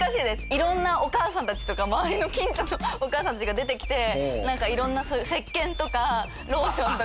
いろんなお母さんたちとか周りの近所のお母さんたちが出てきてなんかいろんなそういうせっけんとかローションとか。